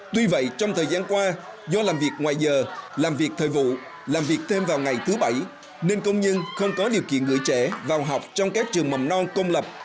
tuy vậy trong thời gian qua do làm việc ngoài giờ làm việc thời vụ làm việc thêm vào ngày thứ bảy nên công nhân không có điều kiện gửi trẻ vào học trong các trường mầm non công lập